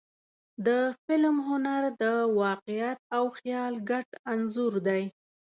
د فلم هنر د واقعیت او خیال ګډ انځور دی.